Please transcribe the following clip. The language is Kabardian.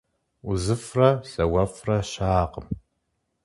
УзыфӀрэ зауэфӀрэ щыӀэкъым.